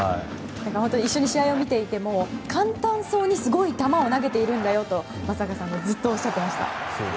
一緒に試合を見ていても簡単そうにすごい球を投げているんだよと松坂さんがずっとおっしゃっていました。